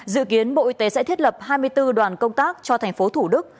dự kiến bộ y tế sẽ thiết lập hai mươi bốn đoàn công tác cho thành phố thủ đức